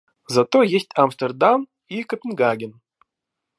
Зато есть Амстердам и Копенгаген